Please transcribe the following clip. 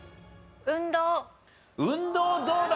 運動どうだ？